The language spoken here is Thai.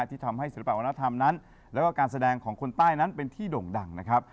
ที่ทำให้ศิลปะวัฒนธรรมนั้นแล้วก็การแสดงของคนใต้นั้นเป็นที่โด่งดังนะครับ